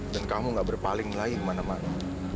dan kamu gak berpaling lagi kemana mana